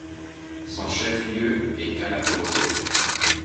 Son chef-lieu est Calabozo.